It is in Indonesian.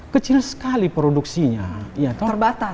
kecil sekali produksinya